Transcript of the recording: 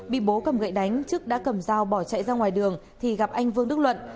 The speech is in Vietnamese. bị bố cầm gậy đánh trúc đã cầm dao bỏ chạy ra ngoài đường thì gặp anh vương đức luận